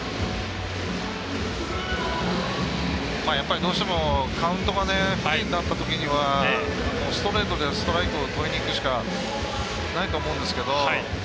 やっぱりどうしてもカウントが不利になったときにはストレートでストライクをとりにいくしかないと思うんですけど。